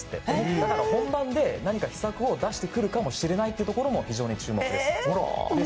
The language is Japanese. だから本番で何か秘策を出してくるかもしれないというところも非常に注目です。